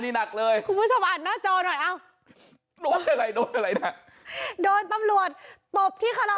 นี่หนักเลยคุณผู้ชมอ่านหน้าจอหน่อยเอ้าโดนอะไรโดนอะไรน่ะ